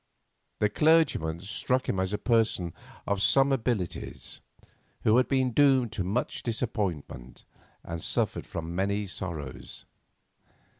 The clergyman struck him as a person of some abilities who had been doomed to much disappointment and suffered from many sorrows.